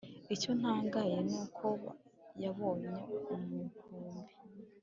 icyo ntagaye ni uko yabonye umuvumbi